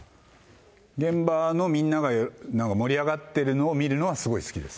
現場のみんなが、なんか盛り上がってるのを見るのは、すごい好きです。